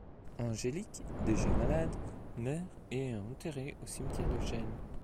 Angélique, déjà malade, meurt et est enterrée au cimetière de Gênes.